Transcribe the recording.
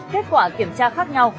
kết quả kiểm tra khác nhau